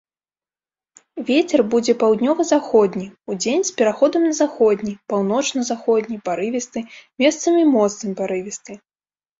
Вецер будзе паўднёва-заходні, удзень з пераходам на заходні, паўночна-заходні, парывісты, месцамі моцны парывісты.